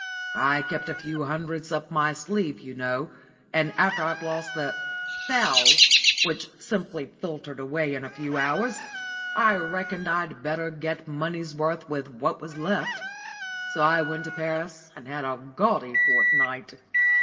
I kept a few hundreds up my sleeve, you know, and after I'd lost the 'thou.,' which simply filtered away in a few hours, I reckoned I'd get better money's worth with what was left. So I went to Paris and had a gaudy fortnight."